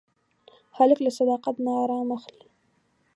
هلک له صداقت نه ارام اخلي.